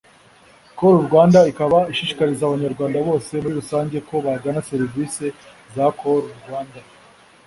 Call Rwanda ikaba ishishikariza abanyarwanda bose muri rusange ko bagana servisi za Call Rwanda